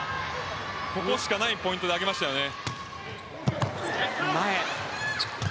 ここしかないポイントで上げましたよね。